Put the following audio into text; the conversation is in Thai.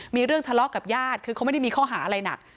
มีเรื่องทะเลาะกับญาติคือเขาไม่ได้มีข้อหาอะไรหนัก